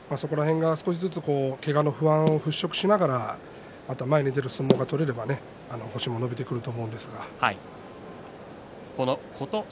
そこら辺が少しずつけがの不安を払拭しながら前に出る相撲が取れれば星も伸びてくると思います。